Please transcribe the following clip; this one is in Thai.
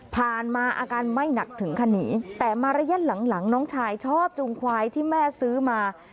มาอาการไม่หนักถึงขหนีแต่มาระยะหลังน้องชายชอบจูงควายที่แม่ซื้อมา